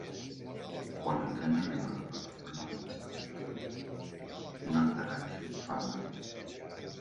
Quan el tren arriba a la plataforma del costat oposat, un altre ganxo fa el mateix.